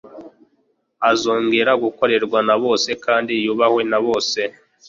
azongera gukorerwa na bose kandi yubahwe na bose.